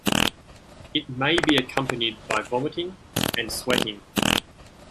It may be accompanied by vomiting and sweating.